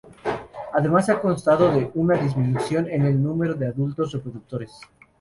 Además se ha constatado una disminución en el número de adultos reproductores.